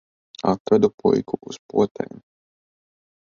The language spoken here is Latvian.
Atvedu puiku uz potēm.